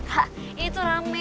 kak itu rame